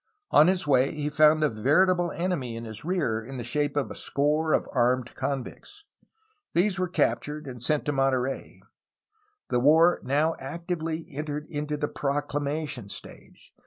On his way he found a veritable enemy in his rear in the shape of a score of armed convicts. These were cap tured and sent to Monterey. The war now entered actively into the proclamation stage.